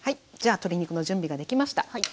じゃ鶏肉の準備ができました。